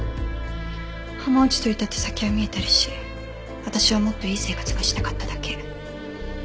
浜内といたって先は見えてるし私はもっといい生活がしたかっただけ。